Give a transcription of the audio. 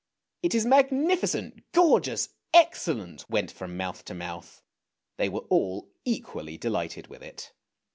" It is magnifi cent! gorgeous!" excellent! went from mouth to mouth ; they were all equally delighted with it.